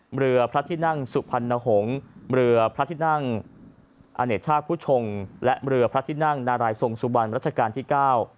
เรือพระที่นั่งสุพรรณหงษ์เรือพระที่นั่งอเนชาติผู้ชงและเรือพระที่นั่งนารายทรงสุบันรัชกาลที่เก้า